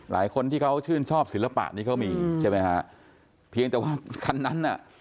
หลายคนที่เขาชื่นชอบศิลปะนี้เขามีใช่ไหมฮะเพียงแต่ว่าคันนั้นน่ะ